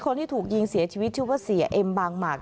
คนที่ถูกยิงเสียชีวิตชื่อว่าเสียเอ็มบางหมาก